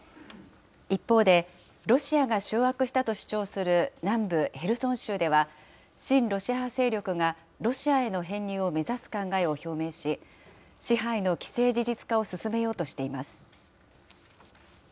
一方で、ロシアが掌握したと主張する南部ヘルソン州では、親ロシア派勢力がロシアへの編入を目指す考えを表明し、支配の既成事実化を進めようとしています。